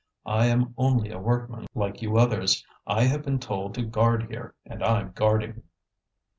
I am only a workman like you others. I have been told to guard here, and I'm guarding."